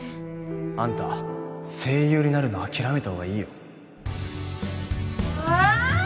あんた声優になるの諦めた方がいいよああ！